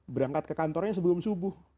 berangkat ke kantornya sebelum subuh